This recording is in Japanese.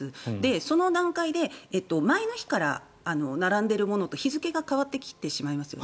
その段階で前の日から並んでいるものと日付が変わってきてしまいますよね。